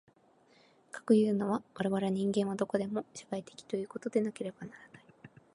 かくいうのは、我々人間はどこまでも社会的ということでなければならない。